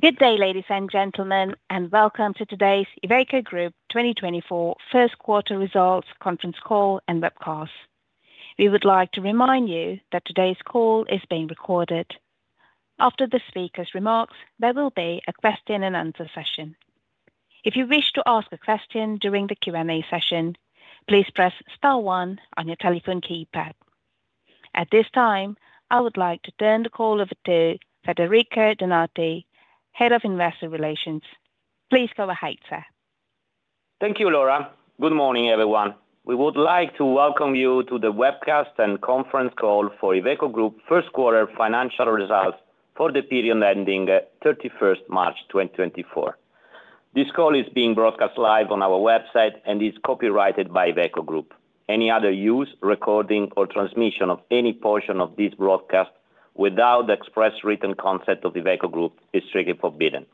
Good day, ladies and gentlemen, and welcome to today's Iveco Group 2024 first quarter results conference call and webcast. We would like to remind you that today's call is being recorded. After the speaker's remarks, there will be a question and answer session. If you wish to ask a question during the Q&A session, please press star one on your telephone keypad. At this time, I would like to turn the call over to Federico Donati, Head of Investor Relations. Please go ahead, sir. Thank you, Laura. Good morning, everyone. We would like to welcome you to the webcast and conference call for Iveco Group first quarter financial results for the period ending 31 March 2024. This call is being broadcast live on our website and is copyrighted by Iveco Group. Any other use, recording, or transmission of any portion of this broadcast without the express written consent of the Iveco Group is strictly forbidden.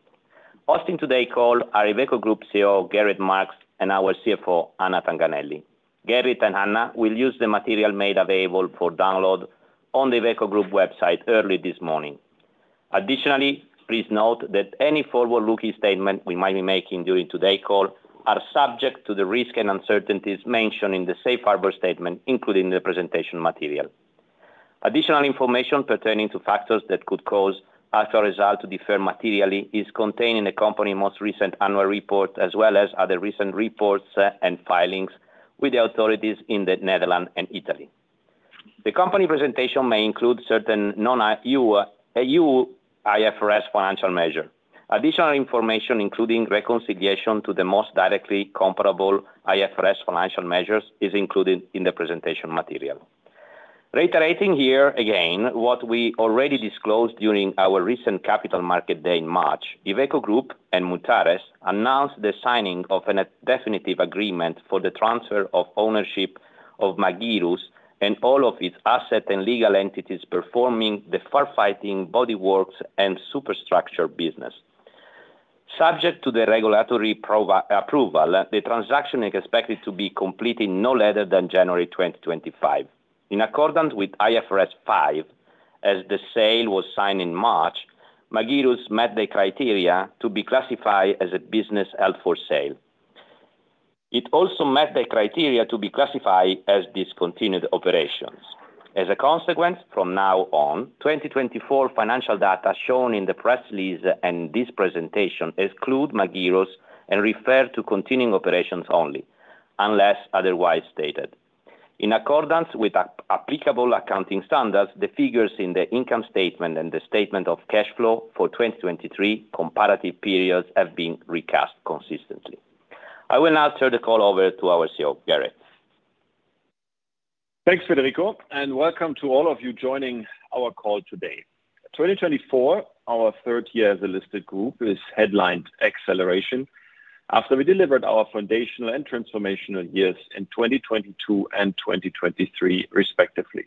Hosting today's call are our Iveco Group CEO, Gerrit Marx, and our CFO, Anna Tanganelli. Gerrit and Anna will use the material made available for download on the Iveco Group website early this morning. Additionally, please note that any forward-looking statement we might be making during today's call are subject to the risk and uncertainties mentioned in the safe harbor statement, including the presentation material. Additional information pertaining to factors that could cause actual result to differ materially is contained in the company most recent annual report, as well as other recent reports, and filings with the authorities in the Netherlands and Italy. The company presentation may include certain non-EU IFRS financial measure. Additional information, including reconciliation to the most directly comparable IFRS financial measures, is included in the presentation material. Reiterating here again what we already disclosed during our recent Capital Markets Day in March, Iveco Group and Mutares announced the signing of a definitive agreement for the transfer of ownership of Magirus and all of its asset and legal entities performing the firefighting bodyworks and superstructure business. Subject to the regulatory approval, the transaction is expected to be completed no later than January 2025. In accordance with IFRS 5, as the sale was signed in March, Magirus met the criteria to be classified as a business held for sale. It also met the criteria to be classified as discontinued operations. As a consequence, from now on, 2024 financial data shown in the press release and this presentation exclude Magirus and refer to continuing operations only, unless otherwise stated. In accordance with applicable accounting standards, the figures in the income statement and the statement of cash flow for 2023 comparative periods have been recast consistently. I will now turn the call over to our CEO, Gerrit. Thanks, Federico, and welcome to all of you joining our call today. 2024, our third year as a listed group, is headlined Acceleration, after we delivered our foundational and transformational years in 2022 and 2023, respectively.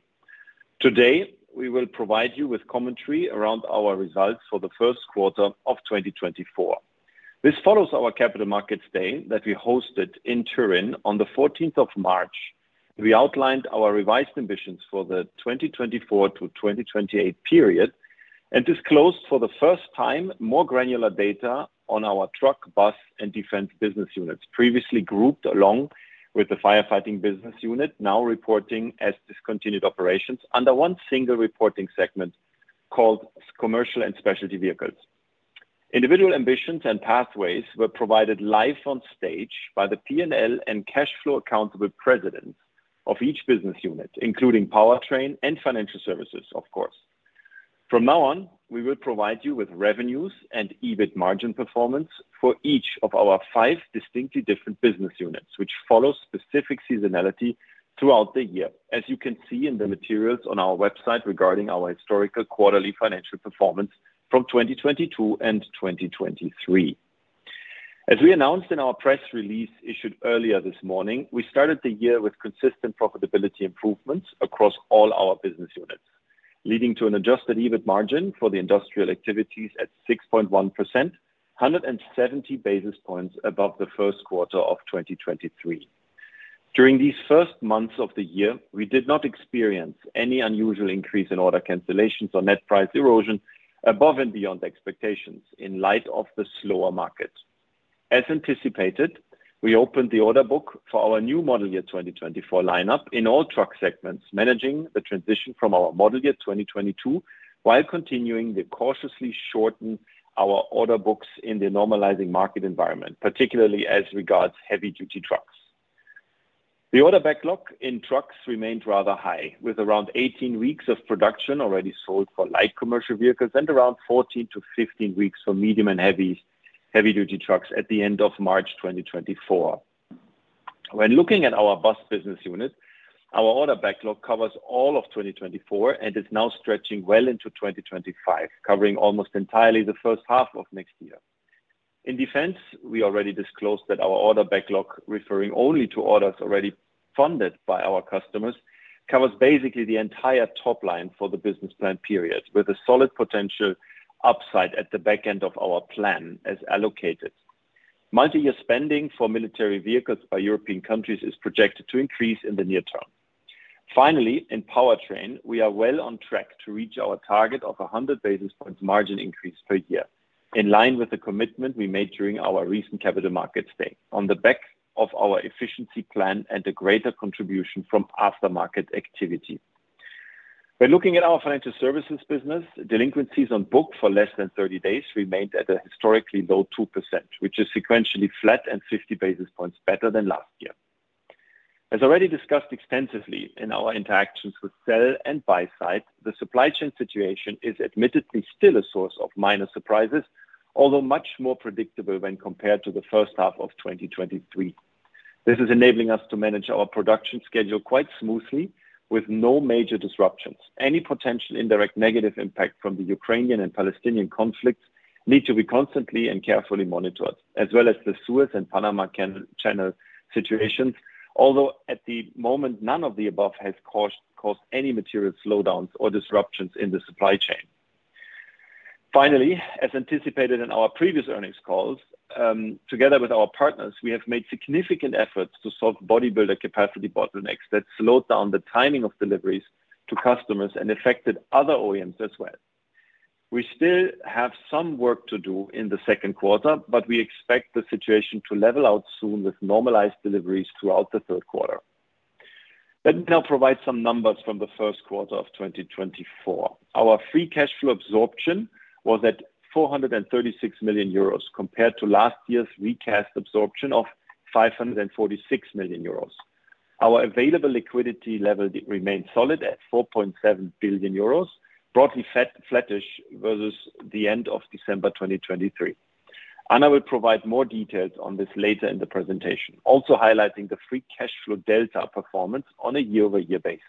Today, we will provide you with commentary around our results for the first quarter of 2024. This follows our Capital Markets Day that we hosted in Turin on the 14th of March. We outlined our revised ambitions for the 2024-2028 period and disclosed for the first time, more granular data on our truck, bus, and defense business units, previously grouped along with the firefighting business unit, now reporting as discontinued operations under one single reporting segment called Commercial and Specialty Vehicles. Individual ambitions and pathways were provided live on stage by the P&L and cash flow accountable presidents of each business unit, including powertrain and financial services, of course. From now on, we will provide you with revenues and EBIT margin performance for each of our five distinctly different business units, which follow specific seasonality throughout the year. As you can see in the materials on our website regarding our historical quarterly financial performance from 2022 and 2023. As we announced in our press release issued earlier this morning, we started the year with consistent profitability improvements across all our business units, leading to an adjusted EBIT margin for the industrial activities at 6.1%, 170 basis points above the first quarter of 2023. During these first months of the year, we did not experience any unusual increase in order cancellations or net price erosion above and beyond expectations in light of the slower market. As anticipated, we opened the order book for our new model year 2024 lineup in all truck segments, managing the transition from our model year 2022, while continuing to cautiously shorten our order books in the normalizing market environment, particularly as regards heavy-duty trucks. The order backlog in trucks remained rather high, with around 18 weeks of production already sold for light commercial vehicles and around 14-15 weeks for medium and heavy, heavy-duty trucks at the end of March 2024. When looking at our bus business unit, our order backlog covers all of 2024 and is now stretching well into 2025, covering almost entirely the first half of next year. In defense, we already disclosed that our order backlog, referring only to orders already funded by our customers, covers basically the entire top line for the business plan period, with a solid potential upside at the back end of our plan as allocated. Multi-year spending for military vehicles by European countries is projected to increase in the near term. Finally, in powertrain, we are well on track to reach our target of 100 basis points margin increase per year, in line with the commitment we made during our recent Capital Markets Day. On the back of our efficiency plan and a greater contribution from aftermarket activity. By looking at our financial services business, delinquencies on book for less than 30 days remained at a historically low 2%, which is sequentially flat and 50 basis points better than last year. As already discussed extensively in our interactions with sell and buy side, the supply chain situation is admittedly still a source of minor surprises, although much more predictable when compared to the first half of 2023. This is enabling us to manage our production schedule quite smoothly, with no major disruptions. Any potential indirect negative impact from the Ukrainian and Palestinian conflicts need to be constantly and carefully monitored, as well as the Suez and Panama Canal situations. Although, at the moment, none of the above has caused any material slowdowns or disruptions in the supply chain. Finally, as anticipated in our previous earnings calls, together with our partners, we have made significant efforts to solve bodybuilder capacity bottlenecks that slowed down the timing of deliveries to customers and affected other OEMs as well. We still have some work to do in the second quarter, but we expect the situation to level out soon, with normalized deliveries throughout the third quarter. Let me now provide some numbers from the first quarter of 2024. Our free cash flow absorption was at 436 million euros, compared to last year's free cash absorption of 546 million euros. Our available liquidity level remains solid at 4.7 billion euros, broadly flat, flattish, versus the end of December 2023. Anna will provide more details on this later in the presentation, also highlighting the free cash flow delta performance on a year-over-year basis.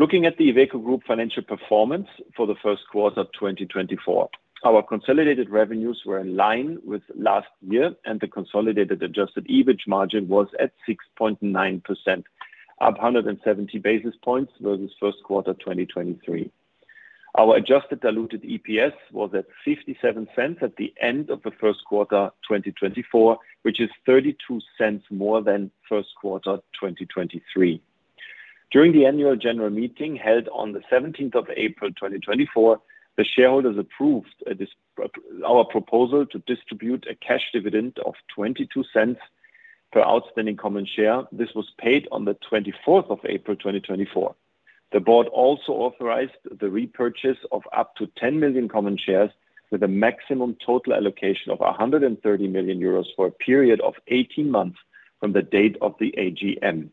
Looking at the Iveco Group financial performance for the first quarter of 2024, our consolidated revenues were in line with last year, and the consolidated adjusted EBIT margin was at 6.9%, up 170 basis points versus first quarter 2023. Our adjusted diluted EPS was at 0.57 at the end of the first quarter 2024, which is 0.32 more than first quarter 2023. During the annual general meeting, held on the seventeenth of April, 2024, the shareholders approved this, our proposal to distribute a cash dividend of 0.22 per outstanding common share. This was paid on the twenty-fourth of April 2024. The board also authorized the repurchase of up to 10 million common shares, with a maximum total allocation of 130 million euros for a period of 18 months from the date of the AGM.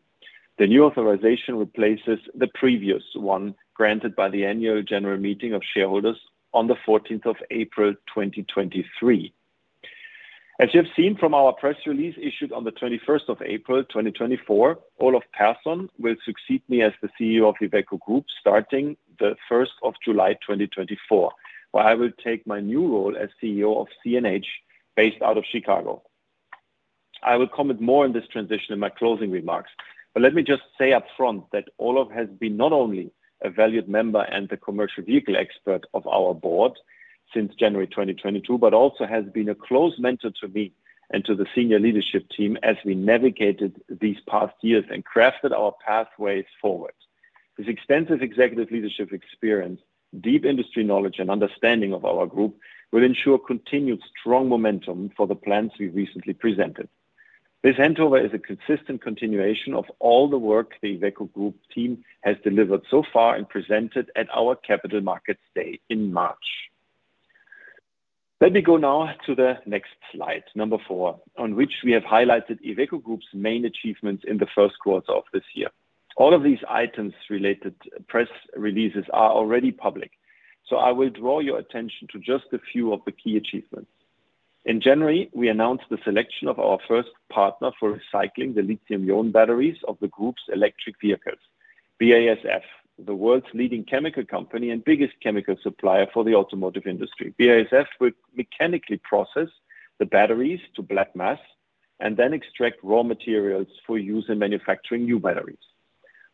The new authorization replaces the previous one, granted by the annual general meeting of shareholders on the 14th of April, 2023. As you have seen from our press release, issued on the 21st of April, 2024, Olof Persson will succeed me as the CEO of Iveco Group, starting the 1st of July, 2024, where I will take my new role as CEO of CNH, based out of Chicago. I will comment more on this transition in my closing remarks, but let me just say upfront that Olof has been not only a valued member and the commercial vehicle expert of our board since January 2022, but also has been a close mentor to me and to the senior leadership team as we navigated these past years and crafted our pathways forward. His extensive executive leadership experience, deep industry knowledge, and understanding of our group will ensure continued strong momentum for the plans we recently presented. This handover is a consistent continuation of all the work the Iveco Group team has delivered so far and presented at our Capital Markets Day in March. Let me go now to the next slide, four, on which we have highlighted Iveco Group's main achievements in the first quarter of this year. All of these items related press releases are already public, so I will draw your attention to just a few of the key achievements. In January, we announced the selection of our first partner for recycling the lithium-ion batteries of the group's electric vehicles. BASF, the world's leading chemical company and biggest chemical supplier for the automotive industry. BASF will mechanically process the batteries to black mass, and then extract raw materials for use in manufacturing new batteries.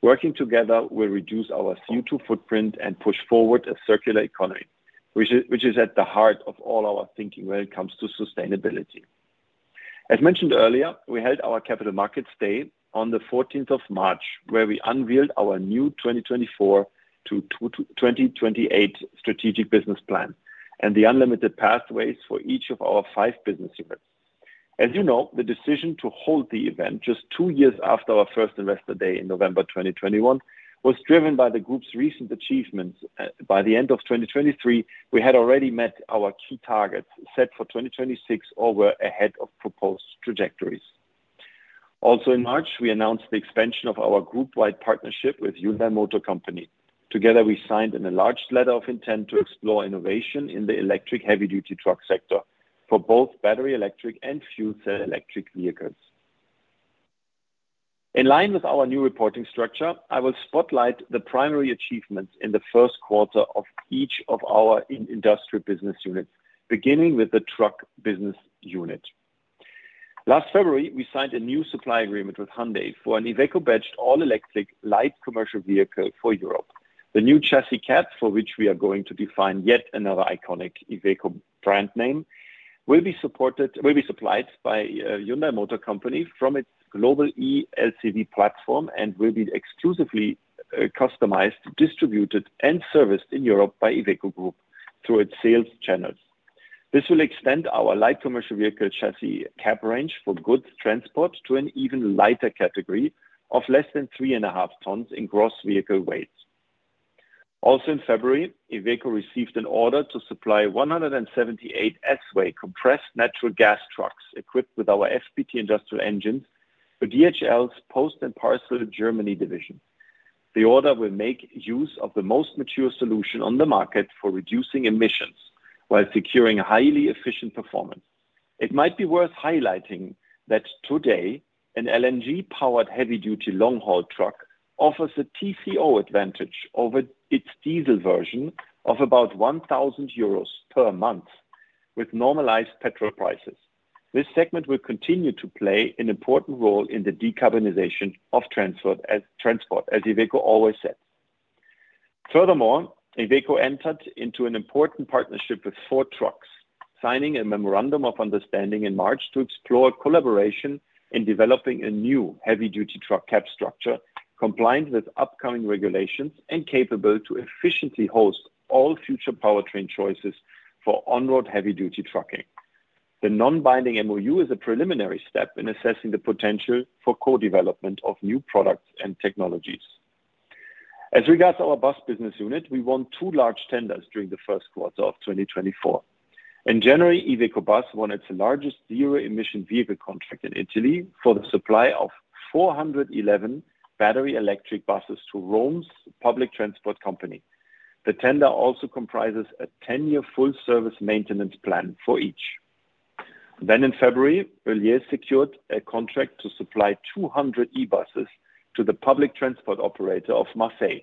Working together will reduce our CO2 footprint and push forward a circular economy, which is, which is at the heart of all our thinking when it comes to sustainability. As mentioned earlier, we held our Capital Markets Day on the fourteenth of March, where we unveiled our new 2024-2028 strategic business plan and the unlimited pathways for each of our five business units. As you know, the decision to hold the event just two years after our first Investor Day in November 2021 was driven by the group's recent achievements. By the end of 2023, we had already met our key targets set for 2026 or were ahead of proposed trajectories. Also, in March, we announced the expansion of our group-wide partnership with Hyundai Motor Company. Together, we signed an enlarged letter of intent to explore innovation in the electric heavy-duty truck sector for both battery electric and fuel cell electric vehicles. In line with our new reporting structure, I will spotlight the primary achievements in the first quarter of each of our industrial business units, beginning with the truck business unit. Last February, we signed a new supply agreement with Hyundai for an Iveco-badged all-electric light commercial vehicle for Europe. The new chassis cab, for which we are going to define yet another iconic Iveco brand name, will be supplied by Hyundai Motor Company from its global E-LCV platform and will be exclusively customized, distributed, and serviced in Europe by Iveco Group through its sales channels. This will extend our light commercial vehicle chassis cab range for goods transport to an even lighter category of less than 3.5 tons in gross vehicle weights. Also in February, Iveco received an order to supply 178 S-Way compressed natural gas trucks, equipped with our FPT Industrial engines, for DHL's Post and Parcel Germany division. The order will make use of the most mature solution on the market for reducing emissions, while securing a highly efficient performance. It might be worth highlighting that today, an LNG-powered heavy-duty long-haul truck offers a TCO advantage over its diesel version of about 1,000 euros per month, with normalized petrol prices. This segment will continue to play an important role in the decarbonization of transport, as transport, as Iveco always said. Furthermore, Iveco entered into an important partnership with Ford Trucks, signing a memorandum of understanding in March to explore collaboration in developing a new heavy-duty truck cab structure, compliant with upcoming regulations and capable to efficiently host all future powertrain choices for on-road heavy-duty trucking. The non-binding MOU is a preliminary step in assessing the potential for co-development of new products and technologies. As regards to our bus business unit, we won two large tenders during the first quarter of 2024. In January, Iveco Bus won its largest zero-emission vehicle contract in Italy for the supply of 411 battery electric buses to Rome's public transport company. The tender also comprises a 10-year full-service maintenance plan for each. Then in February, Heuliez secured a contract to supply 200 e-buses to the public transport operator of Marseille.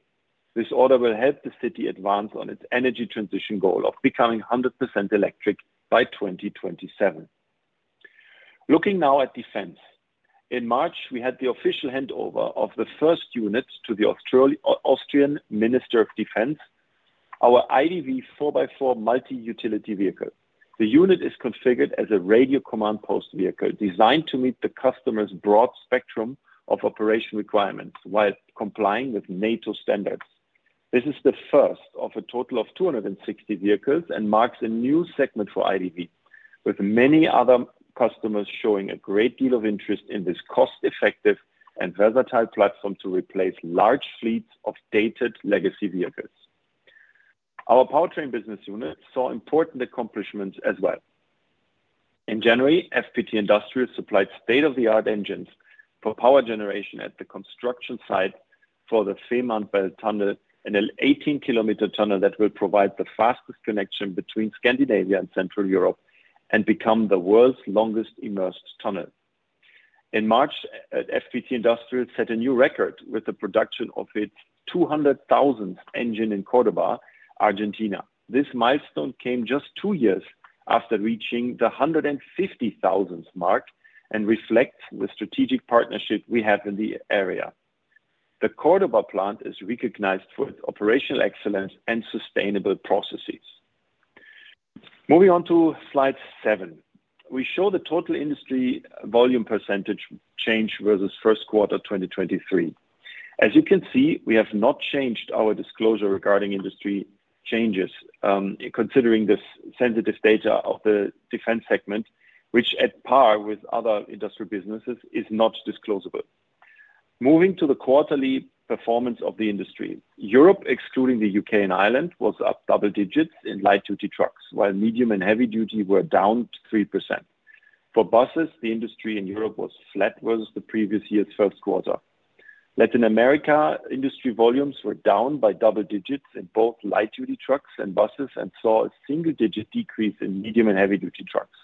This order will help the city advance on its energy transition goal of becoming 100% electric by 2027. Looking now at defense. In March, we had the official handover of the first unit to the Austrian Minister of Defense, our IDV 4x4 multi-utility vehicle. The unit is configured as a radio command post vehicle, designed to meet the customer's broad spectrum of operation requirements while complying with NATO standards. This is the first of a total of 260 vehicles and marks a new segment for IDV, with many other customers showing a great deal of interest in this cost-effective and versatile platform to replace large fleets of dated legacy vehicles. Our powertrain business unit saw important accomplishments as well. In January, FPT Industrial supplied state-of-the-art engines for power generation at the construction site for the Fehmarnbelt Tunnel, an 18-kilometer tunnel that will provide the fastest connection between Scandinavia and Central Europe and become the world's longest immersed tunnel. In March, FPT Industrial set a new record with the production of its 200,000th engine in Córdoba, Argentina. This milestone came just two years after reaching the 150,000 mark and reflects the strategic partnership we have in the area. The Córdoba plant is recognized for its operational excellence and sustainable processes. Moving on to slide seven. We show the total industry volume percentage change versus first quarter 2023. As you can see, we have not changed our disclosure regarding industry changes, considering the sensitive data of the defense segment, which at par with other industrial businesses, is not disclosable. Moving to the quarterly performance of the industry. Europe, excluding the U.K. and Ireland, was up double digits in light-duty trucks, while medium and heavy-duty were down 3%. For buses, the industry in Europe was flat versus the previous year's first quarter. Latin America, industry volumes were down by double digits in both light-duty trucks and buses and saw a single-digit decrease in medium and heavy-duty trucks.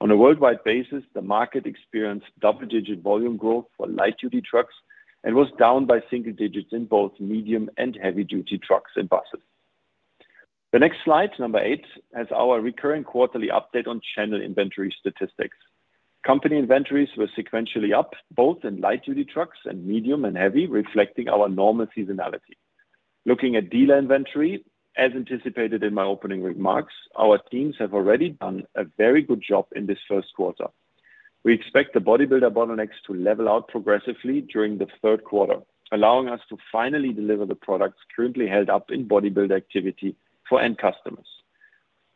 On a worldwide basis, the market experienced double-digit volume growth for light-duty trucks and was down by single digits in both medium and heavy-duty trucks and buses. The next slide, number eight, has our recurring quarterly update on channel inventory statistics. Company inventories were sequentially up, both in light-duty trucks and medium and heavy, reflecting our normal seasonality. Looking at dealer inventory, as anticipated in my opening remarks, our teams have already done a very good job in this first quarter. We expect the bodybuilder bottlenecks to level out progressively during the third quarter, allowing us to finally deliver the products currently held up in bodybuilder activity for end customers.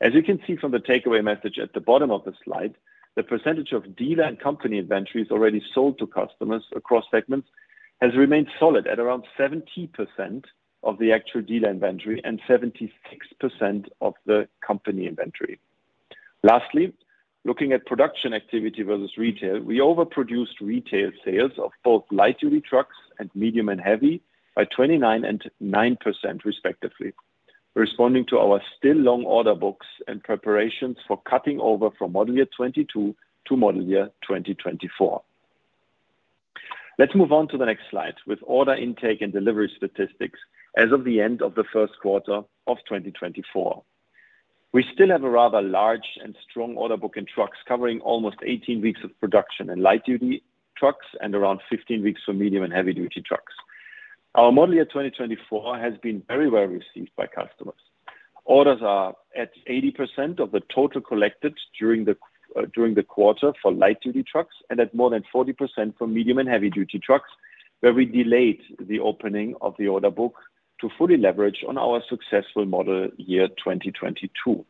As you can see from the takeaway message at the bottom of the slide, the percentage of dealer and company inventories already sold to customers across segments has remained solid at around 70% of the actual dealer inventory and 76% of the company inventory. Lastly, looking at production activity versus retail, we overproduced retail sales of both light-duty trucks and medium and heavy by 29% and 9%, respectively, responding to our still long order books and preparations for cutting over from Model Year 2022 to Model Year 2024. Let's move on to the next slide with order intake and delivery statistics as of the end of the first quarter of 2024.... We still have a rather large and strong order book in trucks, covering almost 18 weeks of production in light-duty trucks and around 15 weeks for medium and heavy-duty trucks. Our Model Year 2024 has been very well received by customers. Orders are at 80% of the total collected during the quarter for light-duty trucks and at more than 40% for medium and heavy-duty trucks, where we delayed the opening of the order book to fully leverage on our successful Model Year 2022.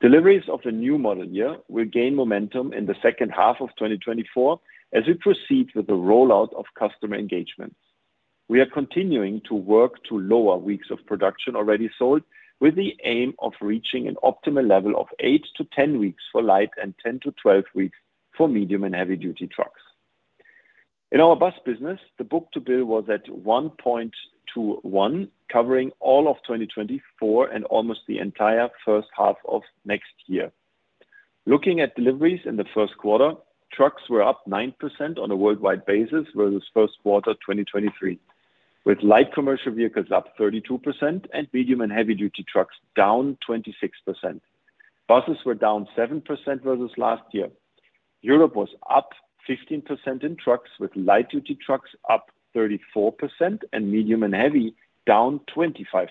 Deliveries of the new model year will gain momentum in the second half of 2024 as we proceed with the rollout of customer engagements. We are continuing to work to lower weeks of production already sold, with the aim of reaching an optimal level of 8weeks-10 weeks for light and 10weeks-12 weeks for medium and heavy-duty trucks. In our bus business, the book-to-bill was at 1.21, covering all of 2024 and almost the entire first half of next year. Looking at deliveries in the first quarter, trucks were up 9% on a worldwide basis versus first quarter 2023, with light commercial vehicles up 32% and medium and heavy-duty trucks down 26%. Buses were down 7% versus last year. Europe was up 15% in trucks, with light-duty trucks up 34% and medium and heavy down 25%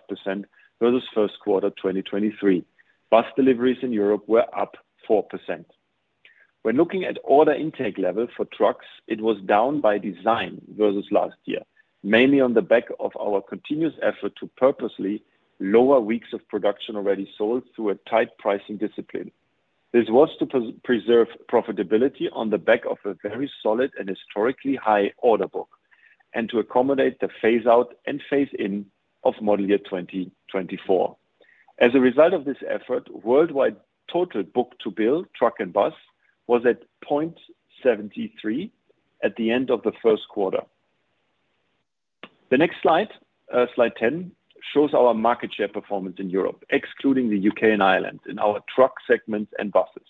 versus first quarter 2023. Bus deliveries in Europe were up 4%. When looking at order intake level for trucks, it was down by design versus last year, mainly on the back of our continuous effort to purposely lower weeks of production already sold through a tight pricing discipline. This was to preserve profitability on the back of a very solid and historically high order book, and to accommodate the phase out and phase in of Model Year 2024. As a result of this effort, worldwide total book-to-bill, truck and bus, was at 0.73 at the end of the first quarter. The next slide, slide 10, shows our market share performance in Europe, excluding the UK and Ireland, in our truck segments and buses.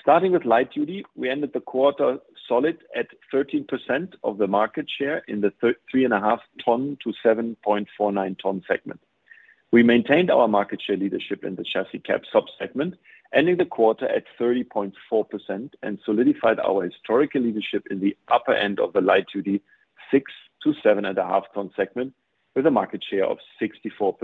Starting with light duty, we ended the quarter solid at 13% of the market share in the 3.5 ton-7.49 ton segment. We maintained our market share leadership in the chassis cab subsegment, ending the quarter at 30.4% and solidified our historical leadership in the upper end of the light duty, 6ton-7.5ton segment, with a market share of 64%.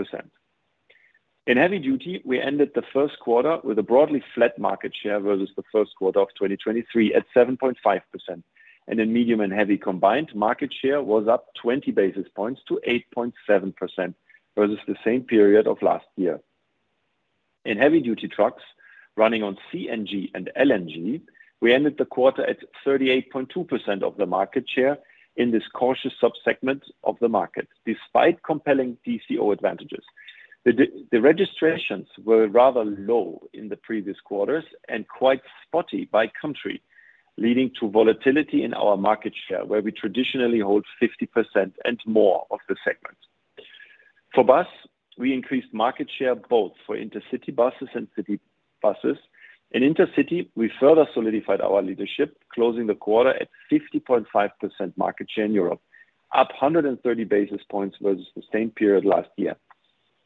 In heavy duty, we ended the first quarter with a broadly flat market share versus the first quarter of 2023, at 7.5%. In medium and heavy combined, market share was up 20 basis points to 8.7% versus the same period of last year. In heavy-duty trucks running on CNG and LNG, we ended the quarter at 38.2% of the market share in this cautious subsegment of the market, despite compelling TCO advantages. The registrations were rather low in the previous quarters and quite spotty by country, leading to volatility in our market share, where we traditionally hold 50% and more of the segment. For bus, we increased market share both for intercity buses and city buses. In intercity, we further solidified our leadership, closing the quarter at 50.5% market share in Europe, up 130 basis points versus the same period last year.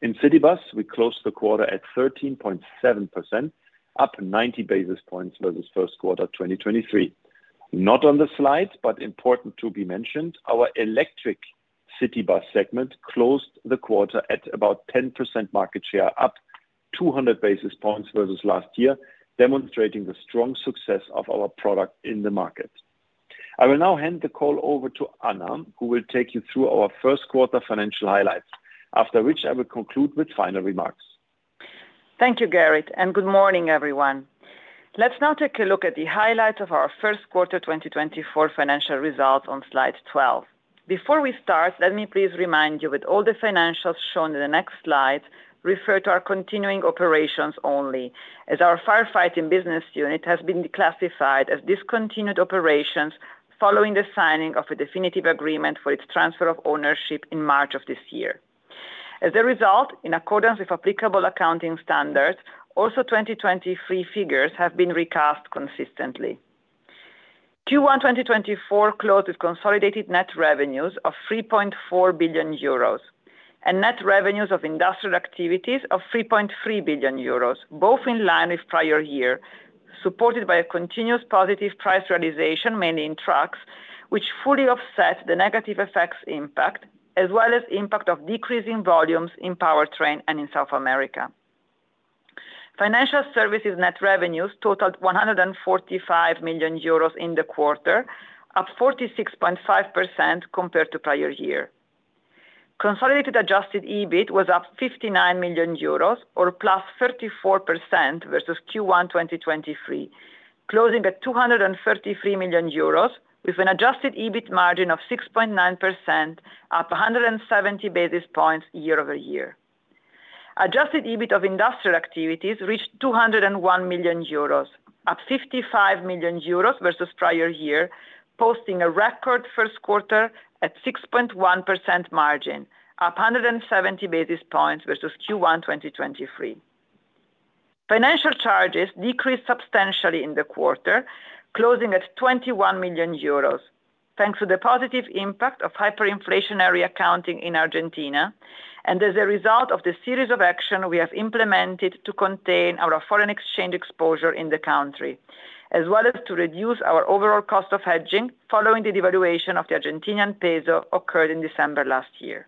In city bus, we closed the quarter at 13.7%, up 90 basis points versus first quarter 2023. Not on the slide, but important to be mentioned, our electric city bus segment closed the quarter at about 10% market share, up 200 basis points versus last year, demonstrating the strong success of our product in the market. I will now hand the call over to Anna, who will take you through our first quarter financial highlights, after which I will conclude with final remarks. Thank you, Gerrit, and good morning, everyone. Let's now take a look at the highlights of our first quarter 2024 financial results on slide 12. Before we start, let me please remind you that all the financials shown in the next slide refer to our continuing operations only, as our firefighting business unit has been declassified as discontinued operations following the signing of a definitive agreement for its transfer of ownership in March of this year. As a result, in accordance with applicable accounting standards, also 2023 figures have been recast consistently. Q1 2024 closed with consolidated net revenues of 3.4 billion euros and net revenues of industrial activities of 3.3 billion euros, both in line with prior year, supported by a continuous positive price realization, mainly in trucks, which fully offset the negative effects impact, as well as impact of decreasing volumes in powertrain and in South America. Financial services net revenues totaled 145 million euros in the quarter, up 46.5% compared to prior year. Consolidated adjusted EBIT was up 59 million euros, or +34% versus Q1 2023, closing at 233 million euros, with an adjusted EBIT margin of 6.9%, up 170 basis points year-over-year. Adjusted EBIT of industrial activities reached 201 million euros, up 55 million euros versus prior year, posting a record first quarter at 6.1% margin, up 170 basis points versus Q1 2023. Financial charges decreased substantially in the quarter, closing at 21 million euros. Thanks to the positive impact of hyperinflationary accounting in Argentina, and as a result of the series of action we have implemented to contain our foreign exchange exposure in the country, as well as to reduce our overall cost of hedging following the devaluation of the Argentinian peso occurred in December last year.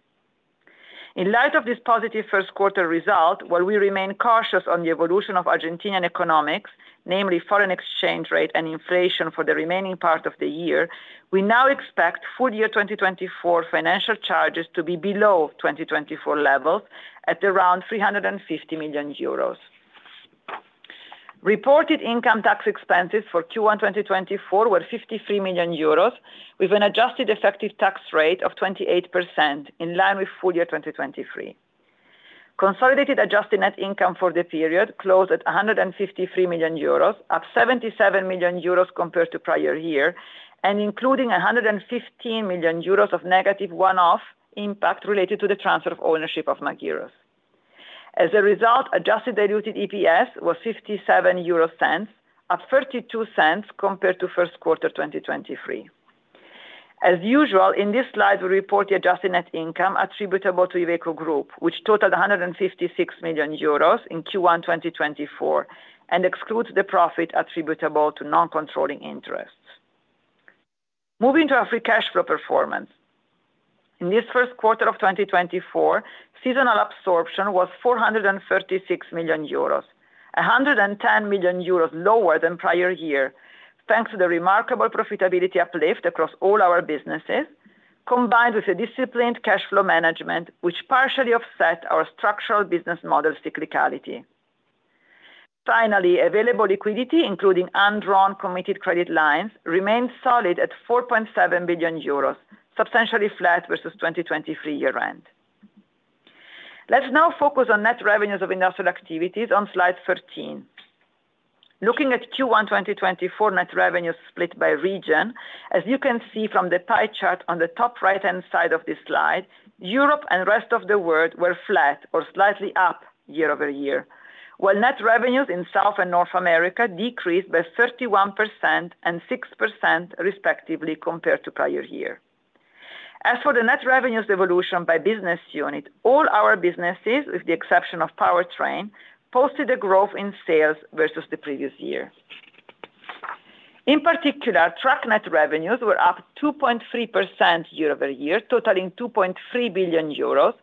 In light of this positive first quarter result, while we remain cautious on the evolution of Argentinian economics, namely foreign exchange rate and inflation for the remaining part of the year, we now expect full year 2024 financial charges to be below 2024 levels at around 350 million euros. Reported income tax expenses for Q1 2024 were 53 million euros, with an adjusted effective tax rate of 28%, in line with full year 2023. Consolidated adjusted net income for the period closed at 153 million euros, up 77 million euros compared to prior year, and including 115 million euros of negative one-off impact related to the transfer of ownership of Magirus. As a result, adjusted diluted EPS was 0.57, up 0.32 compared to first quarter 2023. As usual, in this slide, we report the adjusted net income attributable to Iveco Group, which totaled 156 million euros in Q1 2024, and excludes the profit attributable to non-controlling interests. Moving to our free cash flow performance. In this first quarter of 2024, seasonal absorption was 436 million euros, 110 million euros lower than prior year, thanks to the remarkable profitability uplift across all our businesses, combined with a disciplined cash flow management, which partially offset our structural business model cyclicality. Finally, available liquidity, including undrawn committed credit lines, remained solid at 4.7 billion euros, substantially flat versus 2023 year-end. Let's now focus on net revenues of industrial activities on slide 13. Looking at Q1 2024 net revenues split by region, as you can see from the pie chart on the top right-hand side of this slide, Europe and rest of the world were flat or slightly up year-over-year, while net revenues in South and North America decreased by 31% and 6%, respectively, compared to prior year. As for the net revenues evolution by business unit, all our businesses, with the exception of Powertrain, posted a growth in sales versus the previous year. In particular, truck net revenues were up 2.3% year-over-year, totaling 2.3 billion euros,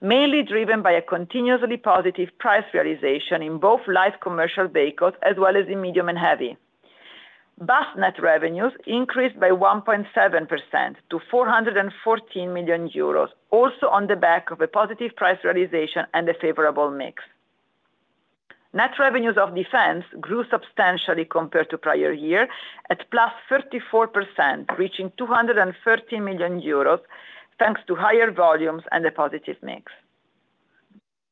mainly driven by a continuously positive price realization in both light commercial vehicles as well as in medium and heavy. Bus net revenues increased by 1.7% to 414 million euros, also on the back of a positive price realization and a favorable mix. Net revenues of Defense grew substantially compared to prior year at +34%, reaching 230 million euros, thanks to higher volumes and a positive mix.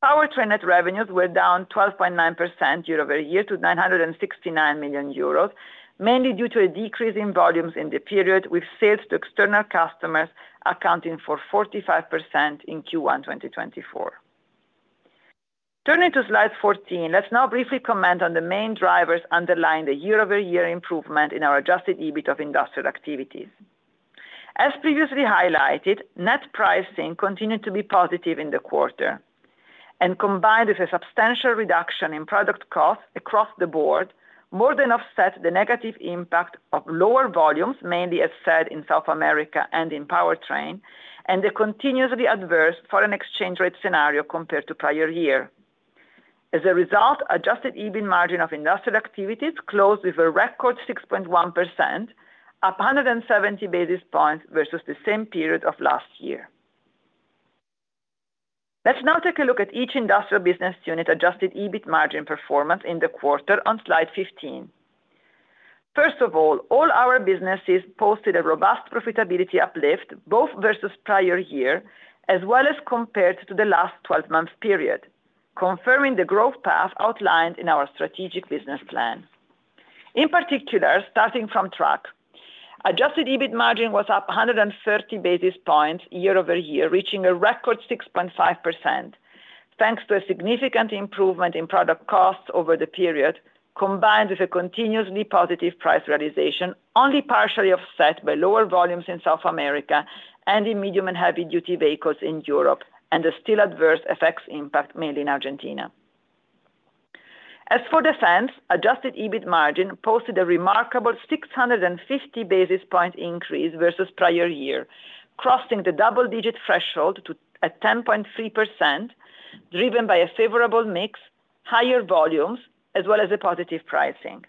Powertrain net revenues were down 12.9% year-over-year to 969 million euros, mainly due to a decrease in volumes in the period, with sales to external customers accounting for 45% in Q1 2024. Turning to slide 14, let's now briefly comment on the main drivers underlying the year-over-year improvement in our adjusted EBIT of industrial activities. As previously highlighted, net pricing continued to be positive in the quarter, and combined with a substantial reduction in product costs across the board, more than offset the negative impact of lower volumes, mainly, as said, in South America and in Powertrain, and the continuously adverse foreign exchange rate scenario compared to prior year. As a result, Adjusted EBIT margin of industrial activities closed with a record 6.1%, up 170 basis points versus the same period of last year. Let's now take a look at each industrial business unit Adjusted EBIT margin performance in the quarter on slide 15. First of all, all our businesses posted a robust profitability uplift, both versus prior year as well as compared to the last 12-month period, confirming the growth path outlined in our strategic business plan. In particular, starting from truck, adjusted EBIT margin was up 130 basis points year-over-year, reaching a record 6.5%, thanks to a significant improvement in product costs over the period, combined with a continuously positive price realization, only partially offset by lower volumes in South America and in medium and heavy-duty vehicles in Europe, and the still adverse effects impact mainly in Argentina. As for Defense, adjusted EBIT margin posted a remarkable 650 basis point increase versus prior year, crossing the double-digit threshold at 10.3%, driven by a favorable mix, higher volumes, as well as a positive pricing.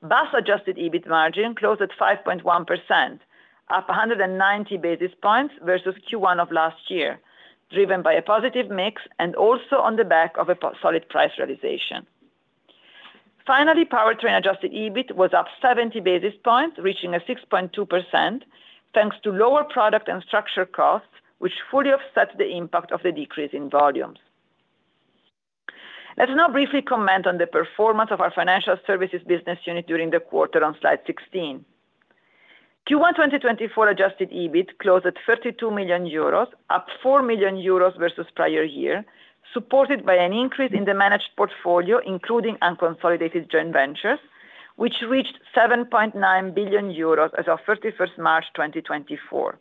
Bus adjusted EBIT margin closed at 5.1%, up 190 basis points versus Q1 of last year, driven by a positive mix and also on the back of a solid price realization. Finally, Powertrain adjusted EBIT was up 70 basis points, reaching 6.2%, thanks to lower product and structure costs, which fully offset the impact of the decrease in volumes. Let's now briefly comment on the performance of our financial services business unit during the quarter on slide 16. Q1 2024 adjusted EBIT closed at 32 million euros, up 4 million euros versus prior year, supported by an increase in the managed portfolio, including unconsolidated joint ventures, which reached 7.9 billion euros as of 31 March 2024....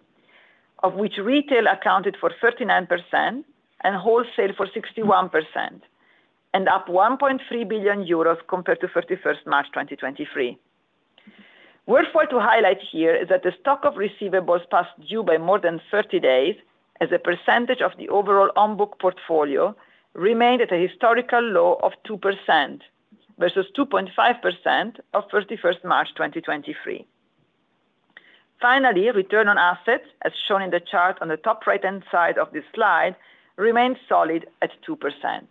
of which retail accounted for 39% and wholesale for 61%, and up 1.3 billion euros compared to 31 March 2023. Worthwhile to highlight here is that the stock of receivables past due by more than 30 days, as a percentage of the overall on-book portfolio, remained at a historical low of 2%, versus 2.5% of March 31, 2023. Finally, return on assets, as shown in the chart on the top right-hand side of this slide, remains solid at 2%.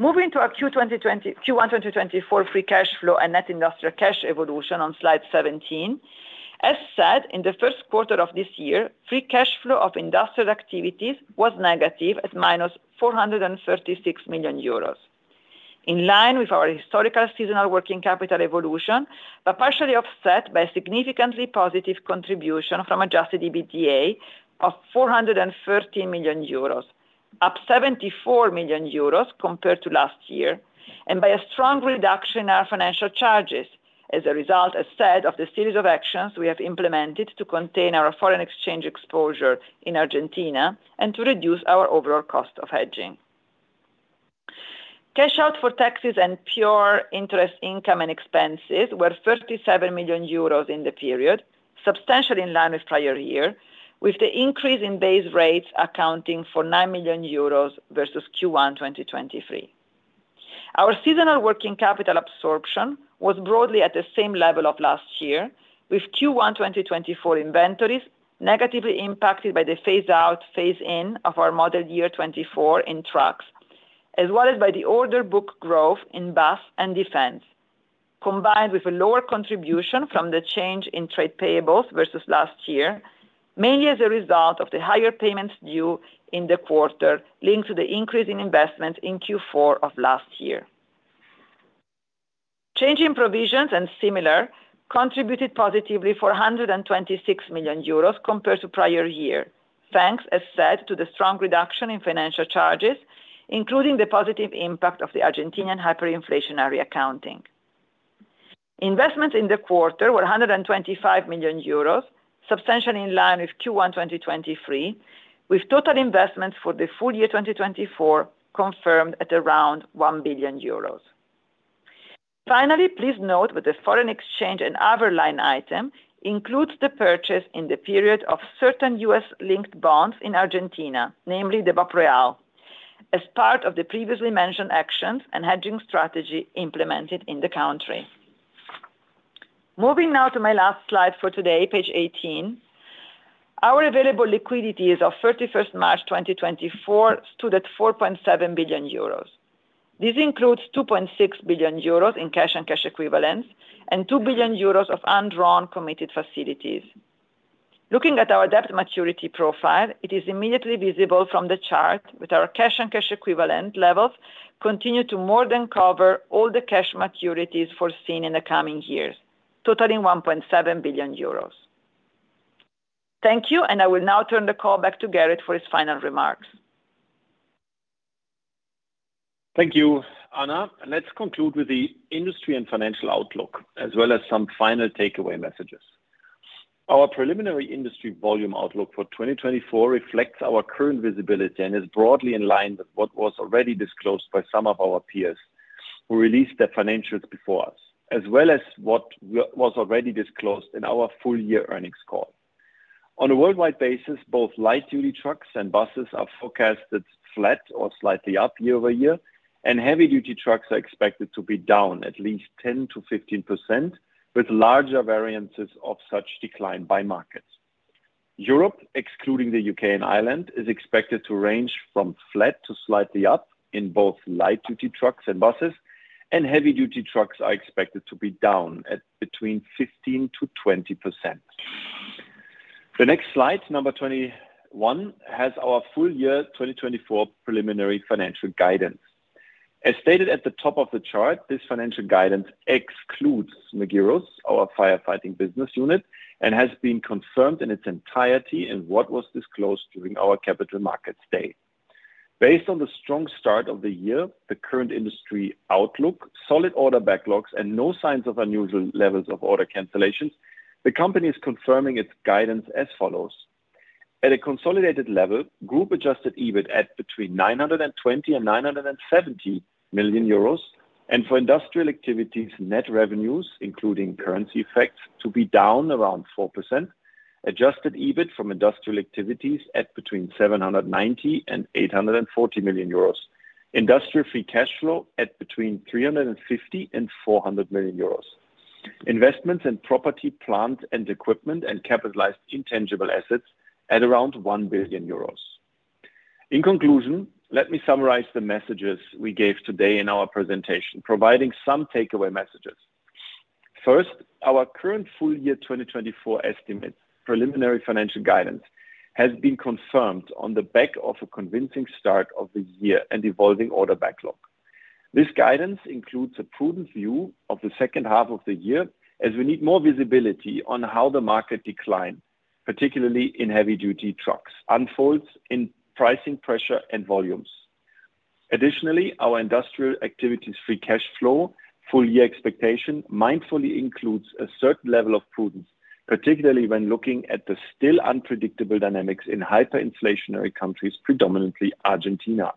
Moving to our Q1 2024 free cash flow and net industrial cash evolution on slide 17. As said, in the first quarter of this year, free cash flow of industrial activities was negative, at -436 million euros. In line with our historical seasonal working capital evolution, but partially offset by significantly positive contribution from adjusted EBITDA of 430 million euros, up 74 million euros compared to last year, and by a strong reduction in our financial charges. As a result, as said, of the series of actions we have implemented to contain our foreign exchange exposure in Argentina and to reduce our overall cost of hedging. Cash out for taxes and pure interest income and expenses were 37 million euros in the period, substantially in line with prior year, with the increase in base rates accounting for 9 million euros versus Q1 2023. Our seasonal working capital absorption was broadly at the same level of last year, with Q1 2024 inventories negatively impacted by the phase-out, phase-in of our Model Year 2024 trucks, as well as by the order book growth in Bus and Defense, combined with a lower contribution from the change in trade payables versus last year, mainly as a result of the higher payments due in the quarter, linked to the increase in investment in Q4 of last year. Change in provisions and similar contributed positively for 126 million euros compared to prior year. Thanks, as said, to the strong reduction in financial charges, including the positive impact of the Argentinian hyperinflationary accounting. Investments in the quarter were 125 million euros, substantially in line with Q1 2023, with total investments for the full year 2024 confirmed at around 1 billion euros. Finally, please note that the foreign exchange and other line item includes the purchase in the period of certain U.S.-linked bonds in Argentina, namely the BOPREAL, as part of the previously mentioned actions and hedging strategy implemented in the country. Moving now to my last slide for today, page 18. Our available liquidity as of 31st March 2024 stood at 4.7 billion euros. This includes 2.6 billion euros in cash and cash equivalents, and 2 billion euros of undrawn committed facilities. Looking at our debt maturity profile, it is immediately visible from the chart that our cash and cash equivalent levels continue to more than cover all the cash maturities foreseen in the coming years, totaling 1.7 billion euros. Thank you, and I will now turn the call back to Gerrit for his final remarks. Thank you, Anna. Let's conclude with the industry and financial outlook, as well as some final takeaway messages. Our preliminary industry volume outlook for 2024 reflects our current visibility and is broadly in line with what was already disclosed by some of our peers who released their financials before us, as well as what was already disclosed in our full year earnings call. On a worldwide basis, both light-duty trucks and buses are forecasted flat or slightly up year-over-year, and heavy-duty trucks are expected to be down at least 10%-15%, with larger variances of such decline by markets. Europe, excluding the UK and Ireland, is expected to range from flat to slightly up in both light-duty trucks and buses, and heavy-duty trucks are expected to be down at between 15%-20%. The next slide, number 21, has our full year 2024 preliminary financial guidance. As stated at the top of the chart, this financial guidance excludes Magirus, our firefighting business unit, and has been confirmed in its entirety in what was disclosed during our Capital Markets Day. Based on the strong start of the year, the current industry outlook, solid order backlogs, and no signs of unusual levels of order cancellations, the company is confirming its guidance as follows: At a consolidated level, group-adjusted EBIT at between 920 million and 970 million euros, and for industrial activities, net revenues, including currency effects, to be down around 4%, adjusted EBIT from industrial activities at between 790 million and 840 million euros. Industrial free cash flow at between 350 million and 400 million euros. Investments in property, plant and equipment, and capitalized intangible assets at around 1 billion euros. In conclusion, let me summarize the messages we gave today in our presentation, providing some takeaway messages. First, our current full year 2024 estimate, preliminary financial guidance, has been confirmed on the back of a convincing start of the year and evolving order backlog. This guidance includes a prudent view of the second half of the year, as we need more visibility on how the market decline, particularly in heavy-duty trucks, unfolds in pricing pressure and volumes…. Additionally, our industrial activities free cash flow, full year expectation mindfully includes a certain level of prudence, particularly when looking at the still unpredictable dynamics in hyperinflationary countries, predominantly Argentina.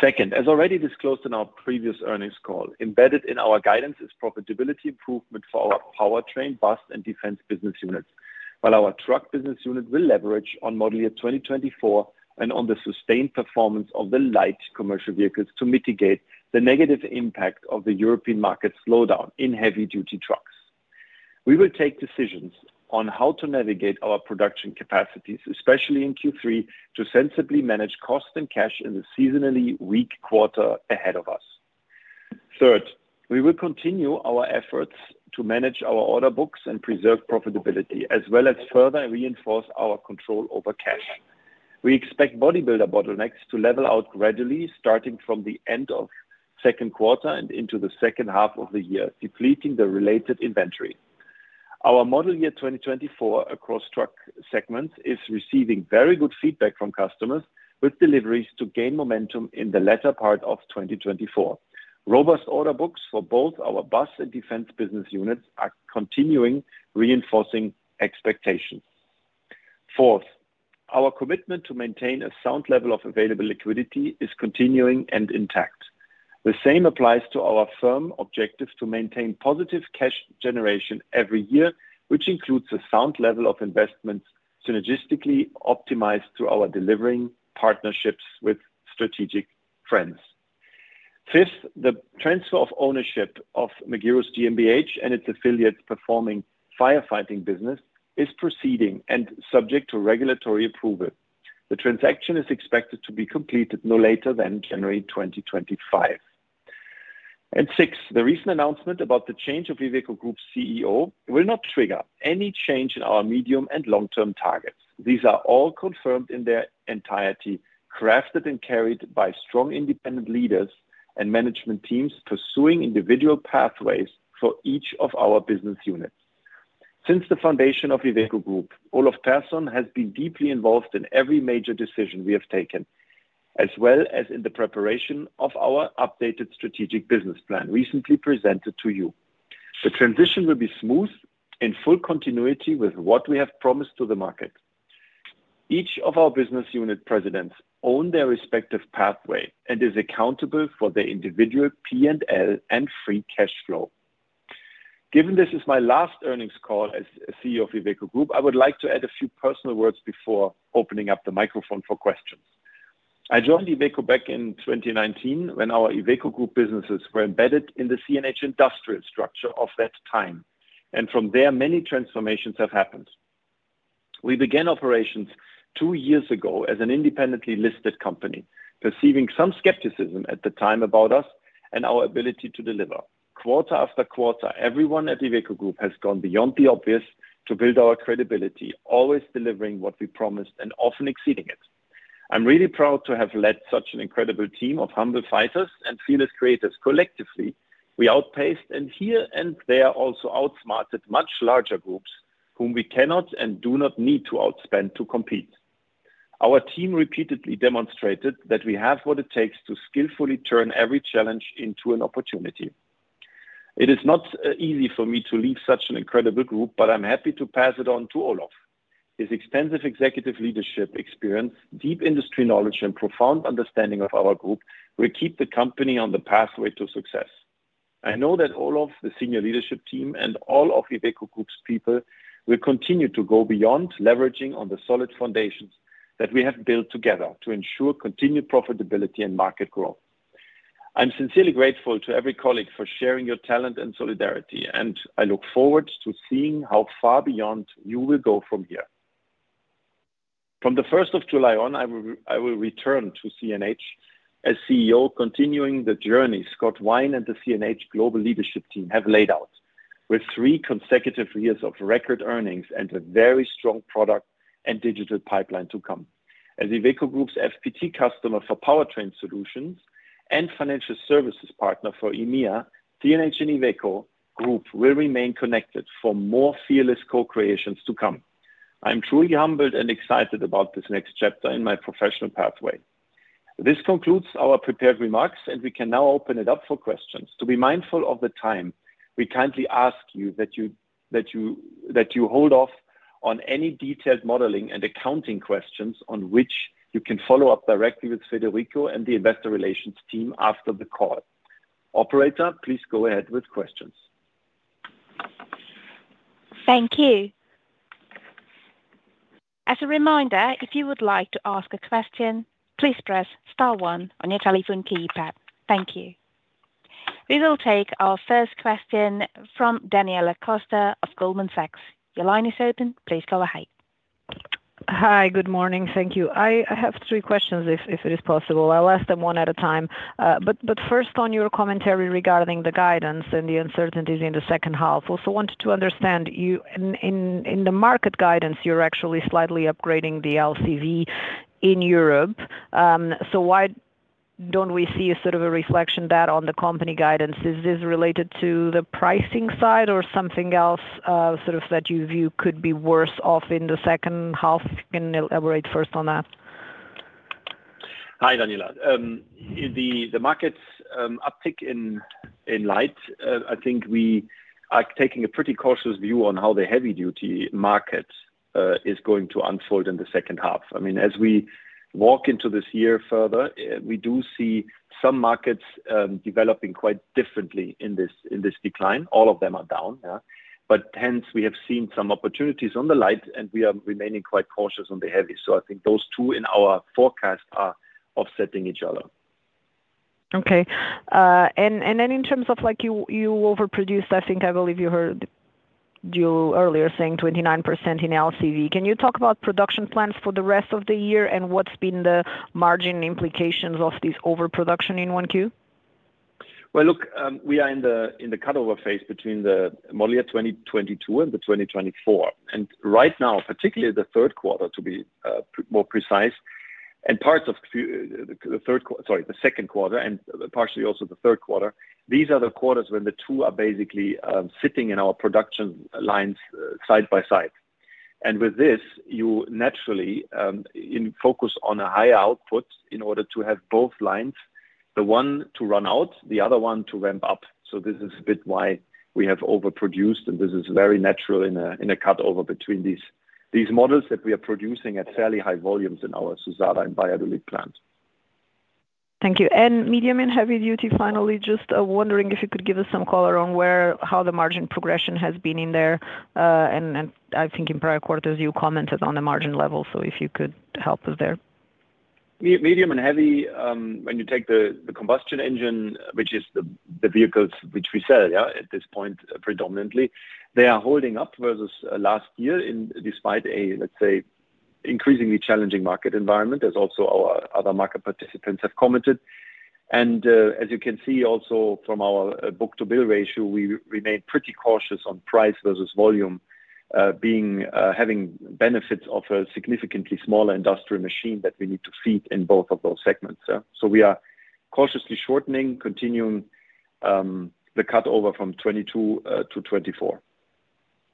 Second, as already disclosed in our previous earnings call, embedded in our guidance is profitability improvement for our powertrain, bus, and defense business units. While our truck business unit will leverage on Model Year 2024 and on the sustained performance of the light commercial vehicles to mitigate the negative impact of the European market slowdown in heavy-duty trucks. We will take decisions on how to navigate our production capacities, especially in Q3, to sensibly manage costs and cash in the seasonally weak quarter ahead of us. Third, we will continue our efforts to manage our order books and preserve profitability, as well as further reinforce our control over cash. We expect bodybuilder bottlenecks to level out gradually, starting from the end of second quarter and into the second half of the year, depleting the related inventory. Our Model Year 2024 across truck segments is receiving very good feedback from customers, with deliveries to gain momentum in the latter part of 2024. Robust order books for both our bus and defense business units are continuing, reinforcing expectations. Fourth, our commitment to maintain a sound level of available liquidity is continuing and intact. The same applies to our firm objectives to maintain positive cash generation every year, which includes a sound level of investments synergistically optimized through our delivering partnerships with strategic friends. Fifth, the transfer of ownership of Magirus GmbH and its affiliates performing firefighting business is proceeding and subject to regulatory approval. The transaction is expected to be completed no later than January 2025. And six, the recent announcement about the change of Iveco Group's CEO will not trigger any change in our medium and long-term targets. These are all confirmed in their entirety, crafted and carried by strong independent leaders and management teams, pursuing individual pathways for each of our business units. Since the foundation of Iveco Group, Olof Persson has been deeply involved in every major decision we have taken, as well as in the preparation of our updated strategic business plan, recently presented to you. The transition will be smooth and full continuity with what we have promised to the market. Each of our business unit presidents own their respective pathway and is accountable for their individual P&L and free cash flow. Given this is my last earnings call as CEO of Iveco Group, I would like to add a few personal words before opening up the microphone for questions. I joined Iveco back in 2019, when our Iveco Group businesses were embedded in the CNH Industrial structure of that time, and from there, many transformations have happened. We began operations two years ago as an independently listed company, perceiving some skepticism at the time about us and our ability to deliver. Quarter after quarter, everyone at Iveco Group has gone beyond the obvious to build our credibility, always delivering what we promised and often exceeding it. I'm really proud to have led such an incredible team of humble fighters and fearless creators. Collectively, we outpaced and here and there, also outsmarted much larger groups whom we cannot and do not need to outspend to compete. Our team repeatedly demonstrated that we have what it takes to skillfully turn every challenge into an opportunity. It is not, easy for me to leave such an incredible group, but I'm happy to pass it on to Olof. His extensive executive leadership experience, deep industry knowledge, and profound understanding of our group will keep the company on the pathway to success. I know that all of the senior leadership team and all of Iveco Group's people will continue to go beyond leveraging on the solid foundations that we have built together to ensure continued profitability and market growth. I'm sincerely grateful to every colleague for sharing your talent and solidarity, and I look forward to seeing how far beyond you will go from here. From the first of July on, I will return to CNH as CEO, continuing the journey Scott Wine and the CNH global leadership team have laid out, with three consecutive years of record earnings and a very strong product and digital pipeline to come. As Iveco Group's FPT customer for powertrain solutions and financial services partner for EMEA, CNH and Iveco Group will remain connected for more fearless co-creations to come. I'm truly humbled and excited about this next chapter in my professional pathway. This concludes our prepared remarks, and we can now open it up for questions. To be mindful of the time, we kindly ask you that you hold off on any detailed modeling and accounting questions on which you can follow up directly with Federico and the investor relations team after the call. Operator, please go ahead with questions. Thank you. As a reminder, if you would like to ask a question, please press star one on your telephone keypad. Thank you. We will take our first question from Daniela Costa of Goldman Sachs. Your line is open. Please go ahead. Hi. Good morning. Thank you. I have three questions, if it is possible. I'll ask them one at a time. But first, on your commentary regarding the guidance and the uncertainties in the second half, also wanted to understand, in the market guidance, you're actually slightly upgrading the LCV in Europe. So why don't we see a sort of a reflection of that on the company guidance? Is this related to the pricing side or something else, sort of, that you view could be worse off in the second half? Can you elaborate first on that? Hi, Daniela. The markets uptick in light, I think we are taking a pretty cautious view on how the heavy-duty market is going to unfold in the second half. I mean, as we walk into this year further, we do see some markets developing quite differently in this decline. All of them are down, yeah. But hence, we have seen some opportunities on the light, and we are remaining quite cautious on the heavy. So I think those two in our forecast are offsetting each other. Okay. And then in terms of, like, you overproduced, I think I believe you heard you earlier saying 29% in LCV. Can you talk about production plans for the rest of the year, and what's been the margin implications of this overproduction in Q1? Well, look, we are in the cut-over phase between the model year 2022 and the 2024. And right now, particularly the third quarter, to be more precise, the second quarter and partially also the third quarter, these are the quarters when the two are basically sitting in our production lines side by side. And with this, you naturally in focus on a high output in order to have both lines, the one to run out, the other one to ramp up. So this is a bit why we have overproduced, and this is very natural in a cut over between these models that we are producing at fairly high volumes in our Suzzara and Valladolid plants. Thank you. And medium and heavy duty, finally, just wondering if you could give us some color on how the margin progression has been in there, and then I think in prior quarters, you commented on the margin level, so if you could help us there. Medium and heavy, when you take the, the combustion engine, which is the, the vehicles which we sell, yeah, at this point, predominantly, they are holding up versus last year despite a, let's say, increasingly challenging market environment, as also our other market participants have commented. And, as you can see also from our book-to-bill ratio, we remain pretty cautious on price versus volume, being, having benefits of a significantly smaller industrial machine that we need to feed in both of those segments, yeah. So we are cautiously shortening, continuing, the cut over from 2022 to 2024.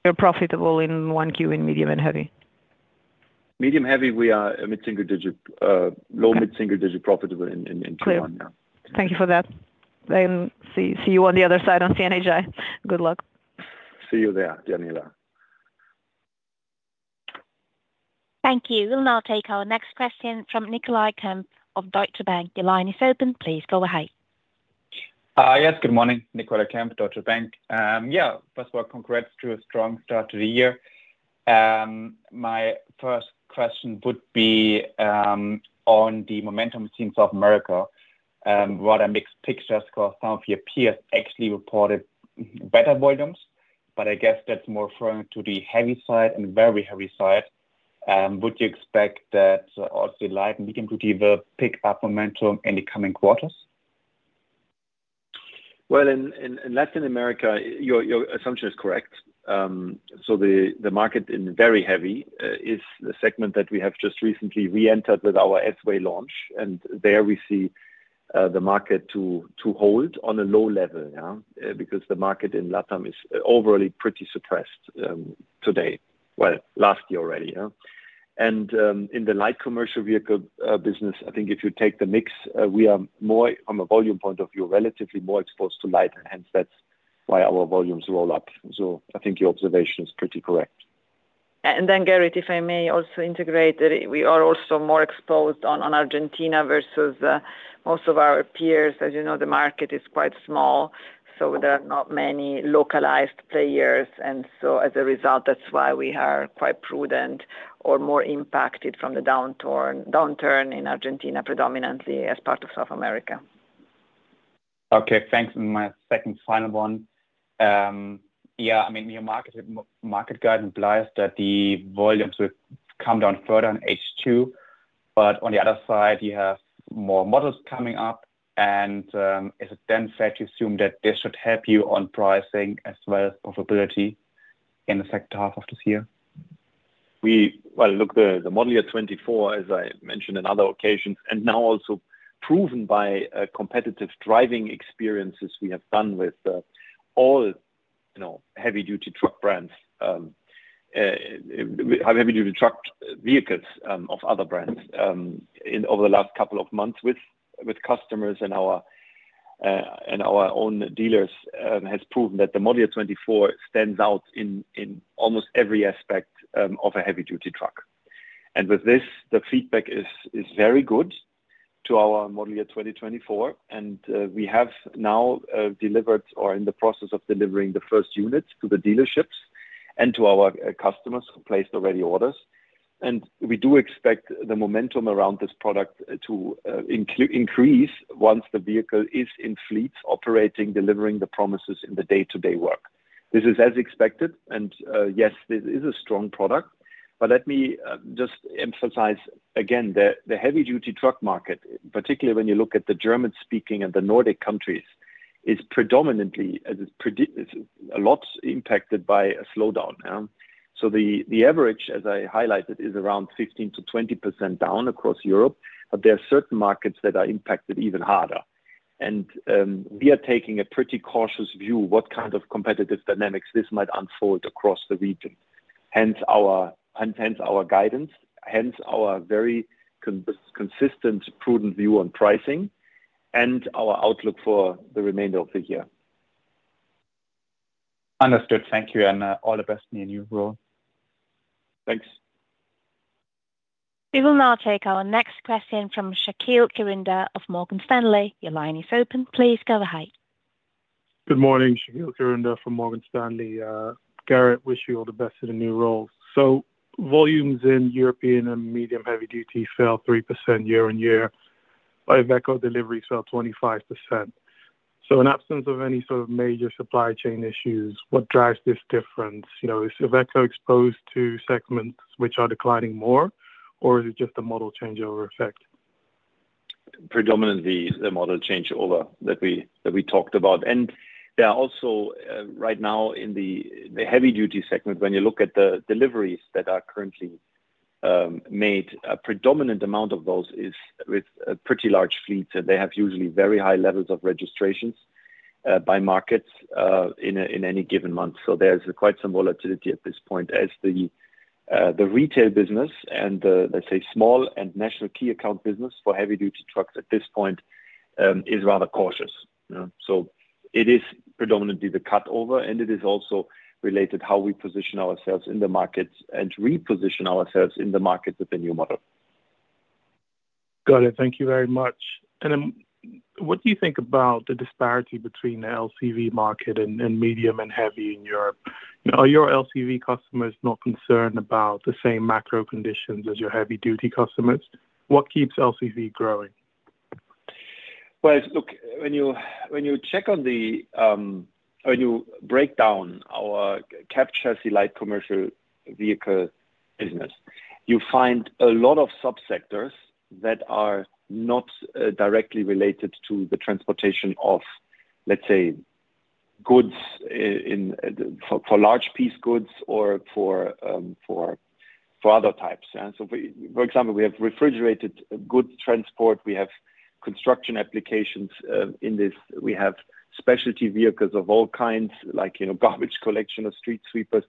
You're profitable in one Q in medium and heavy? Medium, heavy, we are a mid-single-digit, low-mid-single-digit profitable in Q1. Clear. Thank you for that. Then see, see you on the other side on CNHI. Good luck. See you there, Daniela. Thank you. We'll now take our next question from Nicolai Kempff of Deutsche Bank. Your line is open. Please go ahead. Yes. Good morning, Nicolai Kempf, Deutsche Bank. Yeah, first of all, congrats to a strong start to the year. My first question would be, on the momentum in South America, what a mixed picture, because some of your peers actually reported better volumes, but I guess that's more referring to the heavy side and very heavy side. Would you expect that also light and medium to give a pick up momentum in the coming quarters? Well, in Latin America, your assumption is correct. So the market in the very heavy is the segment that we have just recently reentered with our S-Way launch, and there we see the market to hold on a low level, yeah. Because the market in Latin is overly pretty suppressed today. Well, last year already, yeah. And in the light commercial vehicle business, I think if you take the mix, we are more on a volume point of view, relatively more exposed to light, and hence that's why our volumes roll up. So I think your observation is pretty correct. And then, Gerrit, if I may also integrate, that we are also more exposed on Argentina versus most of our peers. As you know, the market is quite small, so there are not many localized players. And so as a result, that's why we are quite prudent or more impacted from the downturn in Argentina, predominantly as part of South America. Okay, thanks. And my second final one. Yeah, I mean, your market guide implies that the volumes will come down further in H2, but on the other side, you have more models coming up, and is it then fair to assume that this should help you on pricing as well as profitability in the second half of this year? Well, look, the Model Year 2024, as I mentioned in other occasions, and now also proven by competitive driving experiences we have done with all, you know, heavy-duty truck brands, heavy-duty truck vehicles of other brands over the last couple of months with customers and our own dealers, has proven that the Model Year 2024 stands out in almost every aspect of a heavy-duty truck. And with this, the feedback is very good to our Model Year 2024, and we have now delivered or in the process of delivering the first units to the dealerships and to our customers who placed already orders. And we do expect the momentum around this product to increase once the vehicle is in fleets, operating, delivering the promises in the day-to-day work. This is as expected, and yes, this is a strong product, but let me just emphasize again that the heavy-duty truck market, particularly when you look at the German-speaking and the Nordic countries, is predominantly, as it's a lot impacted by a slowdown. So the average, as I highlighted, is around 15%-20% down across Europe, but there are certain markets that are impacted even harder. And we are taking a pretty cautious view, what kind of competitive dynamics this might unfold across the region. Hence our, hence our guidance, hence our very consistent, prudent view on pricing and our outlook for the remainder of the year. Understood. Thank you, and, all the best in your new role. Thanks. We will now take our next question from Shakeel Kirunda of Morgan Stanley. Your line is open. Please go ahead. Good morning, Shakeel Kirunda from Morgan Stanley. Gerrit, wish you all the best in the new role. Volumes in European and medium heavy duty fell 3% year-on-year, but Iveco delivery fell 25%. In absence of any sort of major supply chain issues, what drives this difference? You know, is Iveco exposed to segments which are declining more, or is it just a model changeover effect? Predominantly, the model changeover that we talked about. And there are also right now in the heavy duty segment, when you look at the deliveries that are currently made, a predominant amount of those is with a pretty large fleet, and they have usually very high levels of registrations by markets in any given month. So there's quite some volatility at this point as the retail business and the, let's say, small and national key account business for heavy duty trucks at this point is rather cautious. You know? So it is predominantly the cut over, and it is also related how we position ourselves in the markets and reposition ourselves in the market with the new model. Got it. Thank you very much. And, what do you think about the disparity between the LCV market and medium and heavy in Europe? Are your LCV customers not concerned about the same macro conditions as your heavy duty customers? What keeps LCV growing? Well, look, when you, when you check on the, when you break down our cab chassis light commercial vehicle business, you find a lot of subsectors that are not, directly related to the transportation of, let's say, goods in, for, for large piece goods or for, for other types. And so we... For example, we have refrigerated goods transport. We have construction applications, in this. We have specialty vehicles of all kinds, like, you know, garbage collection or street sweepers.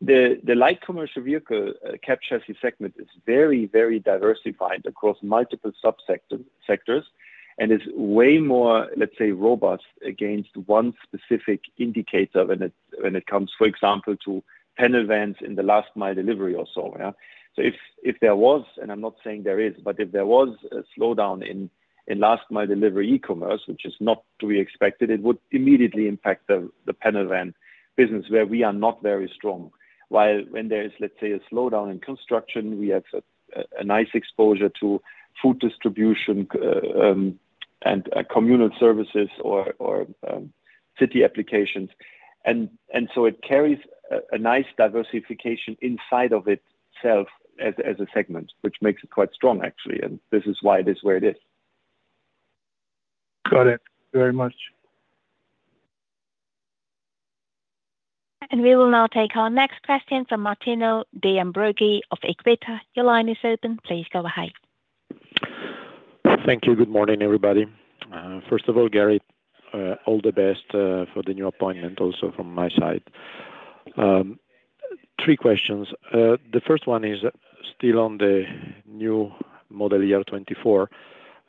The, the light commercial vehicle, cab chassis segment is very, very diversified across multiple subsector, sectors, and is way more, let's say, robust against one specific indicator when it, when it comes, for example, to panel vans in the last mile delivery or so. Yeah. So if there was, and I'm not saying there is, but if there was a slowdown in last mile delivery e-commerce, which is not to be expected, it would immediately impact the panel van business where we are not very strong. While when there is, let's say, a slowdown in construction, we have a nice exposure to food distribution, and communal services or city applications. And so it carries a nice diversification inside of itself as a segment, which makes it quite strong, actually, and this is why it is where it is. Got it. Very much. We will now take our next question from Martino De Ambroggi of Equita. Your line is open. Please go ahead. Thank you. Good morning, everybody. First of all, Gerrit, all the best for the new appointment, also from my side. Three questions. The first one is still on the new Model Year 2024.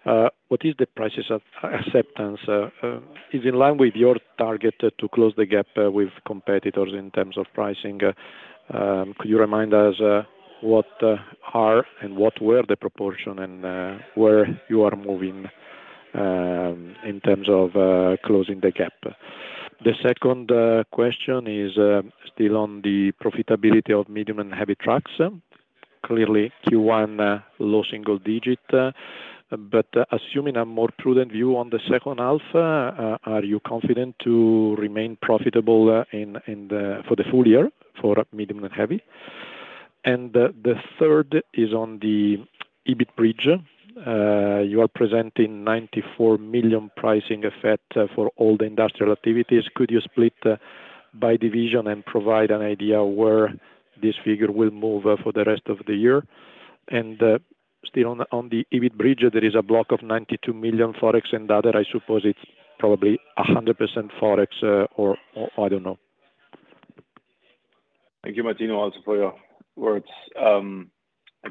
What is the pace of acceptance? Is it in line with your target to close the gap with competitors in terms of pricing? Could you remind us what are and what were the proportion and where you are moving in terms of closing the gap? The second question is still on the profitability of medium and heavy trucks. Clearly, Q1, low single digit, but assuming a more prudent view on the second half, are you confident to remain profitable in the for the full year for medium and heavy? And the third is on the EBIT bridge. You are presenting 94 million pricing effect for all the industrial activities. Could you split by division and provide an idea where this figure will move for the rest of the year? And still on the EBIT bridge, there is a block of 92 million Forex and other. I suppose it's probably 100% Forex, or I don't know. Thank you, Martino, also for your words, and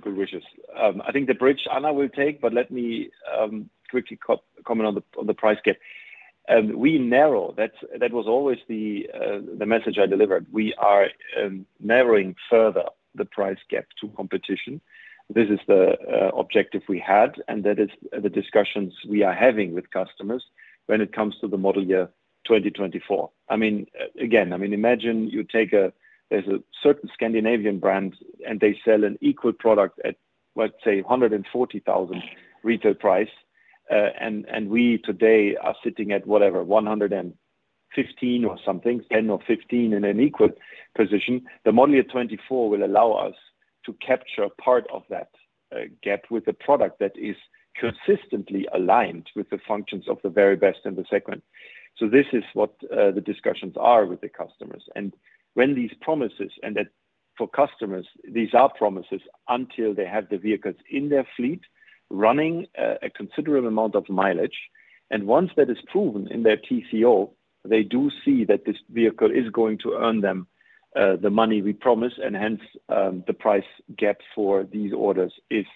good wishes. I think the bridge Anna will take, but let me quickly co-comment on the, on the price gap. We narrow. That's, that was always the, the message I delivered. We are narrowing further the price gap to competition. This is the, objective we had, and that is the discussions we are having with customers when it comes to the model year 2024. I mean, again, I mean, imagine you take a-- there's a certain Scandinavian brand, and they sell an equal product at, let's say, 140,000 retail price, and, and we today are sitting at whatever, 115,000 or something, 10 or 15 in an equal position. The Model Year 2024 will allow us to capture part of that gap with a product that is consistently aligned with the functions of the very best in the segment. So this is what the discussions are with the customers. And when these promises, and that for customers, these are promises until they have the vehicles in their fleet, running a considerable amount of mileage. And once that is proven in their TCO, they do see that this vehicle is going to earn them the money we promise, and hence the price gap for these orders is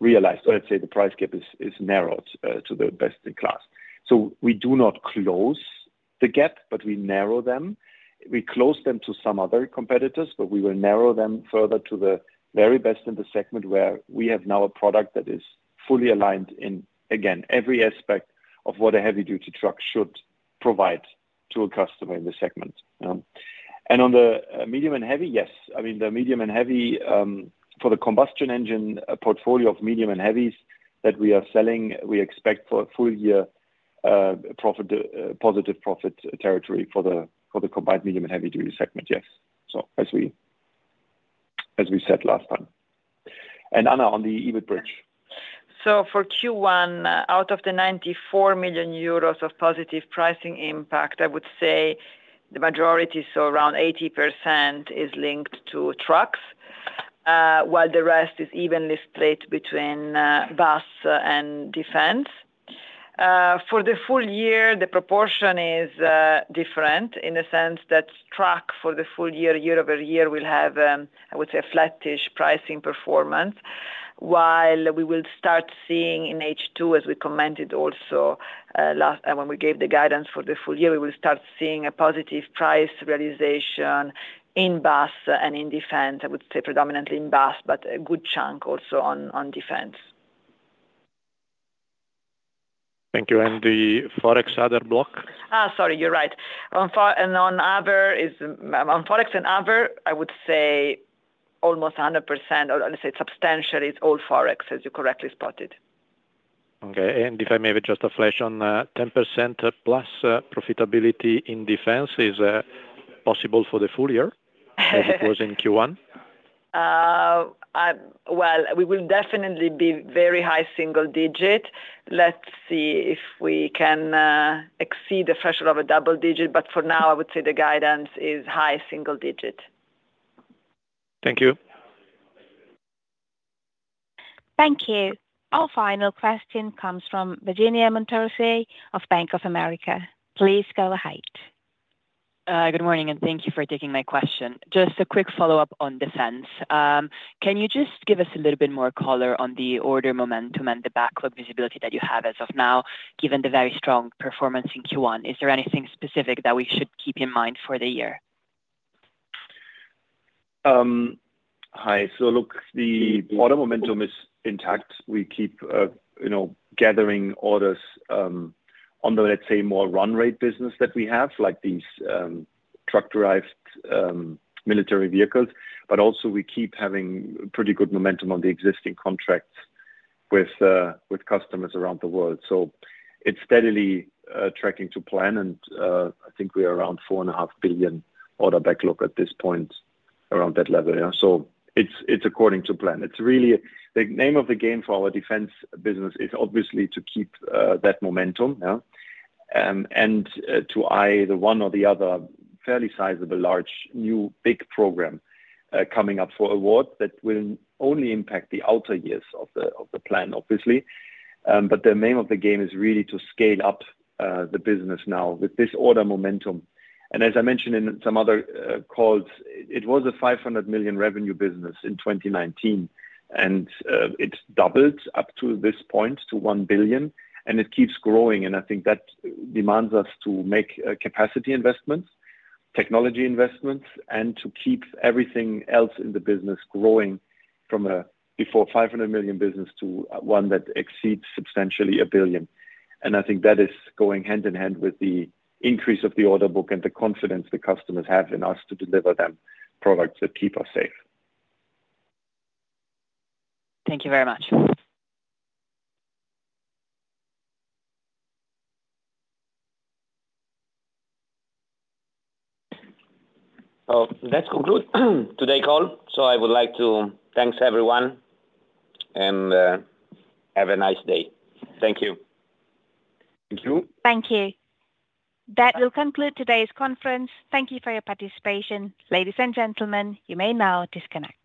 realized. Or let's say, the price gap is narrowed to the best in class. So we do not close the gap, but we narrow them. We close them to some other competitors, but we will narrow them further to the very best in the segment where we have now a product that is fully aligned in, again, every aspect of what a heavy-duty truck should provide to a customer in the segment. And on the medium and heavy, yes. I mean, the medium and heavy, for the combustion engine portfolio of medium and heavies that we are selling, we expect for a full year, profit, positive profit territory for the combined medium and heavy-duty segment. Yes. So as we said last time. And Anna, on the EBIT bridge. So for Q1, out of the 94 million euros of positive pricing impact, I would say the majority, so around 80%, is linked to trucks, while the rest is evenly split between, bus and defense. For the full year, the proportion is, different in the sense that truck for the full year, year-over-year, will have, I would say, a flattish pricing performance. While we will start seeing in H2, as we commented also, last—when we gave the guidance for the full year, we will start seeing a positive price realization in bus and in defense. I would say predominantly in bus, but a good chunk also on defense. Thank you. The Forex other block? Ah, sorry, you're right. On Forex and other, I would say almost 100%, or let's say substantially, it's all Forex, as you correctly spotted. Okay. And if I may have just a flash on 10%+ profitability in defense is possible for the full year, as it was in Q1? Well, we will definitely be very high single digit. Let's see if we can exceed the threshold of a double digit, but for now, I would say the guidance is high single digit. Thank you. Thank you. Our final question comes from Virginia Montorsi of Bank of America. Please go ahead. Good morning, and thank you for taking my question. Just a quick follow-up on defense. Can you just give us a little bit more color on the order momentum and the backlog visibility that you have as of now, given the very strong performance in Q1? Is there anything specific that we should keep in mind for the year? Hi. So look, the order momentum is intact. We keep, you know, gathering orders, on the, let's say, more run rate business that we have, like these, truck-derived, military vehicles. But also we keep having pretty good momentum on the existing contracts with, with customers around the world. So it's steadily, tracking to plan, and, I think we are around 4.5 billion order backlog at this point, around that level. Yeah. So it's, it's according to plan. It's really... The name of the game for our defense business is obviously to keep, that momentum, yeah. And, to either one or the other, fairly sizable, large, new, big program, coming up for award that will only impact the outer years of the, of the plan, obviously. But the name of the game is really to scale up the business now with this order momentum. And as I mentioned in some other calls, it was a 500 million revenue business in 2019, and it's doubled up to this point to 1 billion, and it keeps growing, and I think that demands us to make capacity investments, technology investments, and to keep everything else in the business growing from a before 500 million business to one that exceeds substantially 1 billion. And I think that is going hand in hand with the increase of the order book and the confidence the customers have in us to deliver them products that keep us safe. Thank you very much. So let's conclude today's call. I would like to thank everyone, and have a nice day. Thank you. Thank you. Thank you. That will conclude today's conference. Thank you for your participation. Ladies and gentlemen, you may now disconnect.